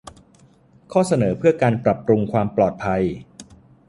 ข้อเสนอเพื่อการปรับปรุงความปลอดภัย